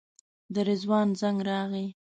د رضوان زنګ راغی.